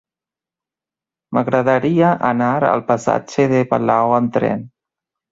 M'agradaria anar al passatge de Palau amb tren.